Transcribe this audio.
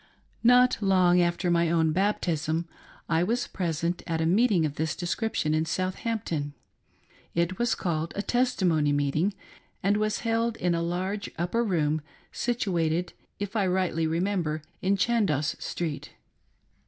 Not long after my own baptism I was present at a meeting of this description, in Southampton. It was called a " testi mony meeting," and was held in a large upper room situated, if I rightly remember, in Chandog stireeit.